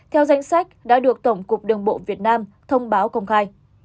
theo danh sách đã được tổng cục đường bộ việt nam thông báo công khai